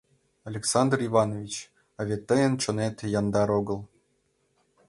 — Александр Иванович, а вет тыйын чонет яндар огыл.